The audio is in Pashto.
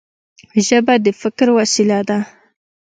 ژبه د فکر وسیله ده.